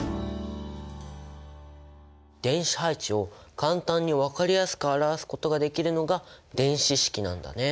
電子配置を簡単に分かりやすく表すことができるのが電子式なんだね。